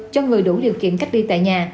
cho người đủ điều kiện cách đi tại nhà